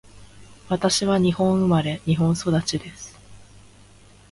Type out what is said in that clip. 私は日本生まれ、日本育ちです。